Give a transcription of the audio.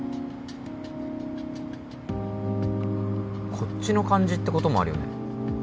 こっちの漢字ってこともあるよね